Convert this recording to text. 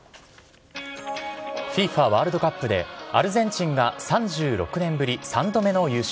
ＦＩＦＡワールドカップで、アルゼンチンが３６年ぶり３度目の優勝。